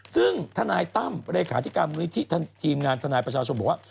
ซึ่งทนายตั้มเลขาธิการมูลนิธิทีมงานทนายประชาชนบอกว่า